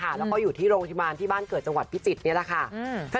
แล้วก็อยู่ที่โรงพยาบาลที่บ้านเกิดจังหวัดพิจิตรนี่แหละค่ะ